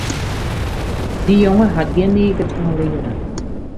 Dy jonge hat gjin niget oan learen.